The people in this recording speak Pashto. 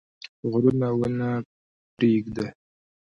غرونه ونه پرېږده.